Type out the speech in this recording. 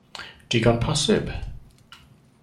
Digon bosib.